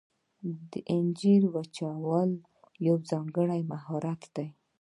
د انځرو وچول یو ځانګړی مهارت دی.